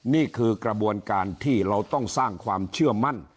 นี่คือกระบวนการที่เราต้องสร้างความเชื่อมั่น